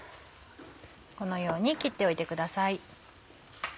このように切っておいてください。